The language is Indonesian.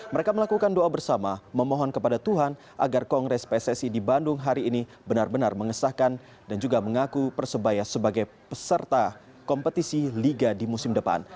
mereka melakukan doa bersama memohon kepada tuhan agar kongres pssi di bandung hari ini benar benar mengesahkan dan juga mengaku persebaya sebagai peserta kompetisi liga di musim depan